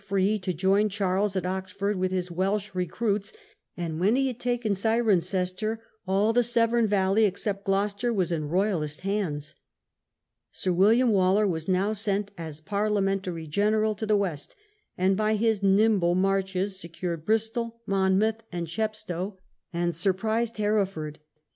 45 free to join Charles at Oxford with his Welsh recruits, and when he had taken Cirencester, all the Severn Valley, except Gloucester, was in Royalist hands. Sir William Waller was now sent as Parliamentary general to the West, and by his "nimble marches" secured Bristol, Monmouth, and Chepstow, and surprised Hereford.